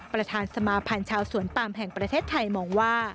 ประธานสมาพันธ์ชาวสวนปามแห่งประเทศไทยมองว่า